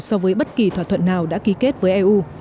so với bất kỳ thỏa thuận nào đã ký kết với eu